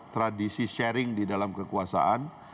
tradisi sharing di dalam kekuasaan